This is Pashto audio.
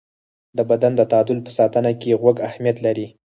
د بدن د تعادل په ساتنه کې غوږ اهمیت لري.